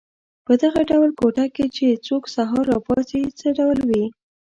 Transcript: په دغه ډول کوټه کې چې څوک سهار را پاڅي څه ډول وي.